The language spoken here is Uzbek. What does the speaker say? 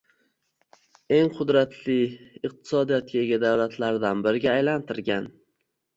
eng qudratli iqtisodiyotga ega davlatlardan biriga alantirgan